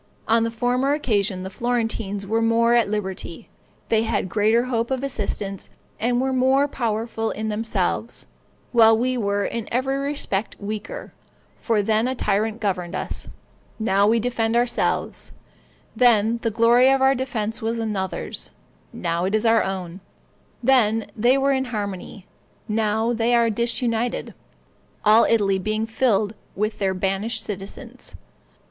On a former occasion the Florentines were more at liberty; they had greater hope of assistance, and were more powerful in themselves, while we were in every respect weaker; for then a tyrant governed us, now we defend ourselves; then the glory of our defense was another's, now it is our own; then they were in harmony, now they are disunited, all Italy being filled with their banished citizens.